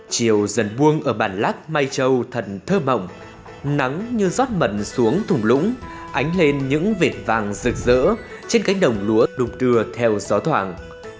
chiều dần buông ở bản lác mai châu thật thơm mộng nắng như giót mận xuống thủng lũng ánh lên những vệt vàng rực rỡ trên cánh đồng lúa đụng đưa theo gió thoảng